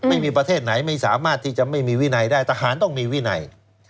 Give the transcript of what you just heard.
ไม่มีประเทศไหนไม่สามารถที่จะไม่มีวินัยได้ทหารต้องมีวินัย